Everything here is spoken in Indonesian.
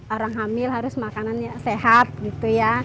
orang hamil harus makanan sehat gitu ya